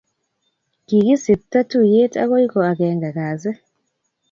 Kikisipto tuyet akoi koageneg kasi